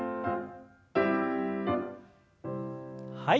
はい。